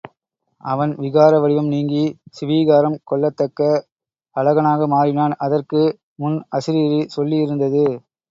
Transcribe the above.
அவன் விகார வடிவம் நீங்கி சுவீகாரம் கொள்ளத்தக்க அழகனாக மாறினான். அதற்கு முன் அசரீரி சொல்லி இருந்தது.